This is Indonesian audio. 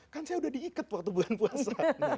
kan saya udah diikat waktu bulan puasa